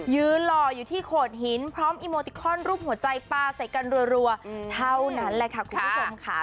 หล่ออยู่ที่โขดหินพร้อมอีโมติคอนรูปหัวใจปลาใส่กันรัวเท่านั้นแหละค่ะคุณผู้ชมค่ะ